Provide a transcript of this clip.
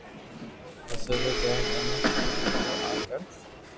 پسي اووي جائين اوني ڪيڌو تو آ ڪر